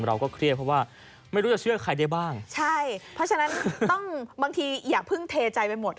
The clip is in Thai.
เราก็เครียดเพราะว่าไม่รู้จะเชื่อใครได้บ้างใช่เพราะฉะนั้นต้องบางทีอย่าเพิ่งเทใจไปหมด